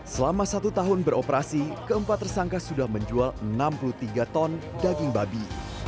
selama satu tahun beroperasi keempat tersangka sudah menjual enam puluh tiga ton daging babi